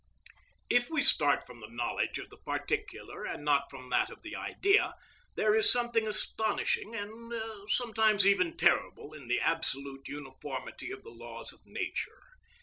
If we start from the knowledge of the particular, and not from that of the Idea, there is something astonishing, and sometimes even terrible, in the absolute uniformity of the laws of nature.